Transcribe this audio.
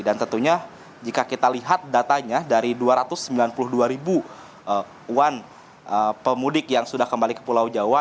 dan tentunya jika kita lihat datanya dari dua ratus sembilan puluh dua ribu wan pemudik yang sudah kembali ke pulau jawa